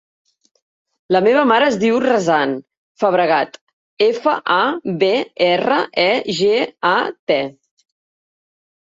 La meva mare es diu Razan Fabregat: efa, a, be, erra, e, ge, a, te.